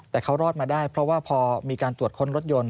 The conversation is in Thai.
แต่เขารอดมาได้เพราะว่าพอมีการตรวจค้นรถยนต์